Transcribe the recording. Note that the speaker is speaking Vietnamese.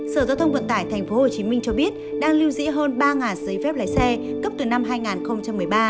sở giao thông vận tải tp hcm cho biết đang lưu giữ hơn ba giấy phép lái xe cấp từ năm hai nghìn một mươi ba